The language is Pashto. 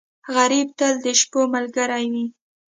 غریب تل د شپو ملګری وي